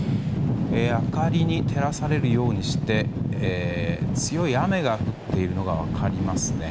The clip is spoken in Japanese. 明かりに照らされるようにして強い雨が降っているのが分かりますね。